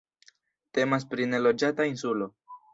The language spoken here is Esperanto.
Temas pri neloĝata insulo.